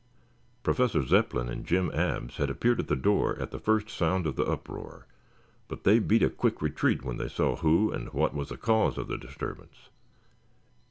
Professor Zepplin and Jim Abs had appeared at the door at the first sound of the uproar, but they beat a quick retreat when they saw who and what was the cause of the disturbance.